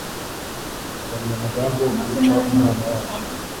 bari mu mugambi wo kwica Umwana wayo.